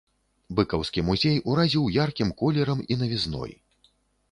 Быкаўскі музей уразіў яркім колерам і навізной.